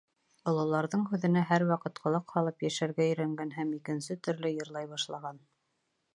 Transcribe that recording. Ололарҙың һүҙенә һәр ваҡыт ҡолаҡ һалып йәшәргә өйрәнгән һәм икенсе төрлө йырлай башлаған: